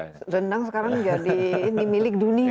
rendang sekarang jadi ini milik dunia